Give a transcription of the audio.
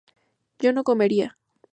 yo no comería